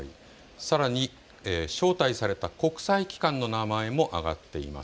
さらに招待された国際機関の名前も挙がっています。